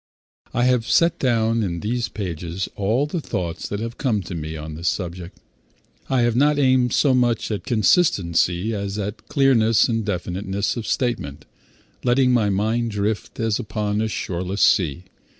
I have set down in these pages all the thoughts that have come to me on this subject. I have not aimed so much at consistency as at clearness and definiteness of statement, letting my mind drift as upon a shoreless sea.